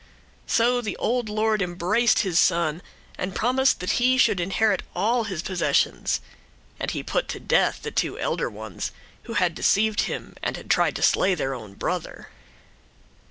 So the old lord embraced his son and promised that he should inherit all his possessions, and he put to death the two elder ones, who had deceived him and had tried to slay their own brother.